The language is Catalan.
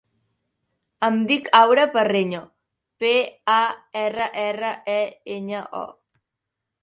Em dic Aura Parreño: pe, a, erra, erra, e, enya, o.